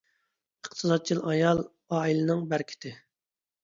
ئىقتىسادچىل ئايال — ئائىلىنىڭ بەرىكىتى.